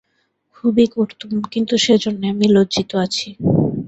খুবই করতুম– কিন্তু সেজন্যে আমি লজ্জিত আছি।